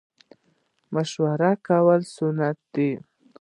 مشوره کول سنت دي